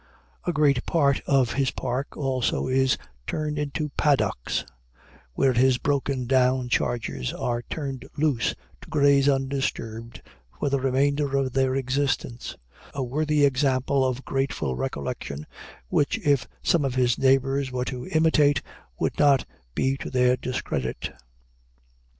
A great part of his park, also, is turned into paddocks, where his broken down chargers are turned loose to graze undisturbed for the remainder of their existence a worthy example of grateful recollection, which if some of his neighbors were to imitate, would not be to their discredit.